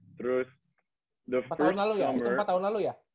itu empat tahun lalu ya empat tahun lalu ya